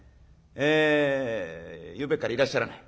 えゆうべからいらっしゃらない。